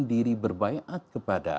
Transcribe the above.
diri berbaikat kepada